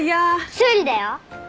修理だよ。